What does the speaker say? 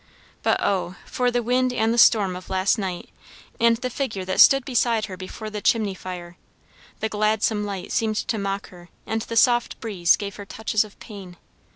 But oh for the wind and the storm of last night, and the figure that stood beside her before the chimney fire! The gladsome light seemed to mock her, and the soft breeze gave her touches of pain.